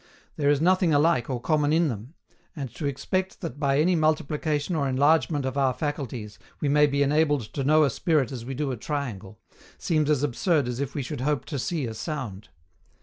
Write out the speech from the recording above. There is nothing alike or common in them: and to expect that by any multiplication or enlargement of our faculties we may be enabled to know a spirit as we do a triangle, seems as absurd as if we should hope to see a sound.